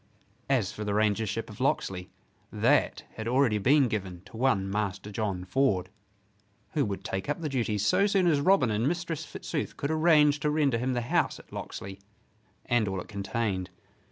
As for the Rangership of Locksley, that had already been given to one Master John Ford, who would take up the duties so soon as Robin and Mistress Fitzooth could arrange to render him the house at Locksley and all it contained.